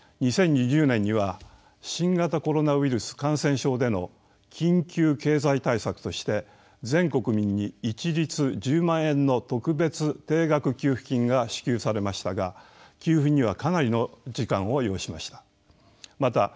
２０２０年には新型コロナウイルス感染症での緊急経済対策として全国民に一律１０万円の特別定額給付金が支給されましたが給付にはかなりの時間を要しました。